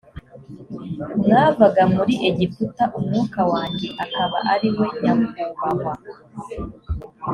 mwavaga muri egiputa umwuka wanjye akaba ari we nyakubahwa